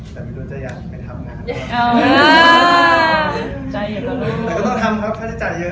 ฝ้าครูซับรถแล้วตรับงานไปก่อนไหมคะช่วงนี้